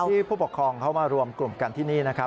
ผู้ปกครองเขามารวมกลุ่มกันที่นี่นะครับ